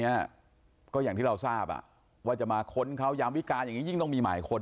เนี้ยก็อย่างที่เราทราบอ่ะว่าจะมาค้นเขายามวิการอย่างนี้ยิ่งต้องมีหมายค้น